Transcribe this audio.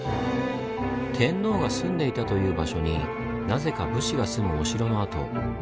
天皇が住んでいたという場所になぜか武士が住むお城の跡。